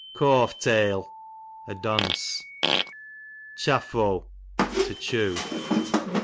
Cawfe tail, a dunce. Cliaffo, to chew.